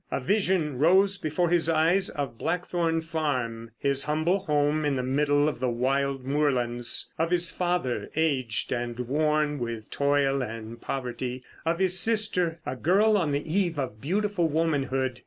A vision rose before his eyes of Blackthorn Farm, his humble home in the middle of the wild moorlands, of his father, aged and worn with toil and poverty; of his sister, a girl on the eve of beautiful womanhood.